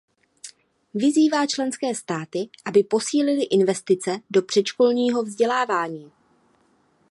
Vyzývá členské státy, aby posílily investice do předškolního vzdělávání.